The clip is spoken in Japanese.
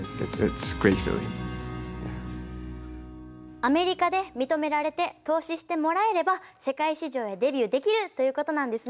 アメリカで認められて投資してもらえれば世界市場へデビューできるということなんですね。